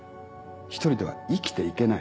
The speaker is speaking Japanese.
一人では生きていけない。